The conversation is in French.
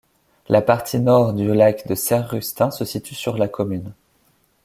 La partie nord du lac de Sère-Rustaing se situe sur la commune.